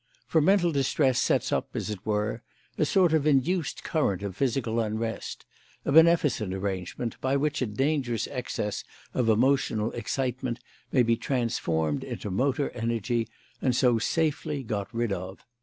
For mental distress sets up, as it were, a sort of induced current of physical unrest; a beneficent arrangement, by which a dangerous excess of emotional excitement may be transformed into motor energy, and so safely got rid of.